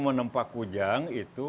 menempah kujang itu